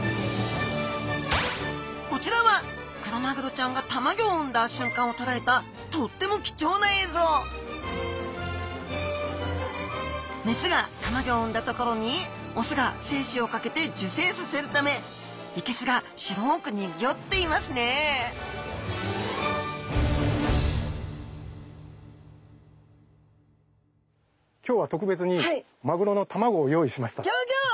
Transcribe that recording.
こちらはクロマグロちゃんがたまギョを産んだ瞬間を捉えたとっても貴重な映像メスがたまギョを産んだところにオスが精子をかけて受精させるためいけすが白く濁っていますね今日は特別にギョギョッ！